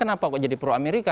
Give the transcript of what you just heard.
kenapa kok jadi pro amerika